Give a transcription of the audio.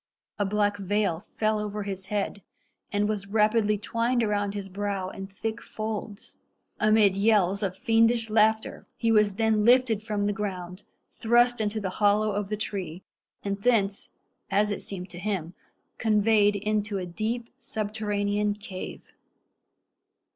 A black veil fell over his head, and was rapidly twined around his brow in thick folds. Amid yells of fiendish laughter he was then lifted from the ground, thrust into the hollow of the tree, and thence, as it seemed to him, conveyed into a deep subterranean cave.